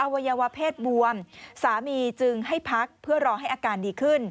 วัยวะเพศบวมสามีจึงให้พักเพื่อรอให้อาการดีขึ้น